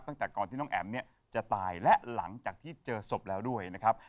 ตั้งแต่ก่อนที่น้องแอ๋มเนี่ยจะตายและหลังจากที่เจอศพแล้วด้วยนะครับ